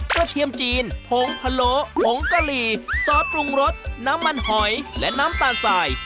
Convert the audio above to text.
เทียมจีนผงพะโลผงกะหรี่ซอสปรุงรสน้ำมันหอยและน้ำตาลสาย